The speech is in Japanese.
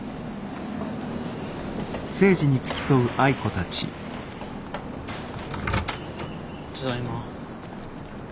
ただいま。